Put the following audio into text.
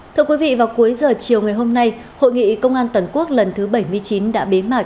thưa quý vị vào cuối giờ chiều ngày hôm nay hội nghị công an toàn quốc lần thứ bảy mươi chín đã bế mạc